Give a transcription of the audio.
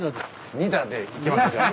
２打でいきますじゃあ。